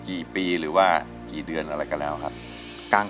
กี่ปีหรือว่ากี่เดือนออกมาแล้วกัน